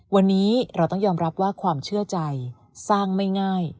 วันนี้เราต้องยอมรับว่าความเชื่อใจสร้างไม่ง่าย